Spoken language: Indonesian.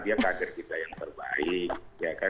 dia kader kita yang terbaik